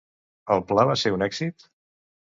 El pla va ser un èxit?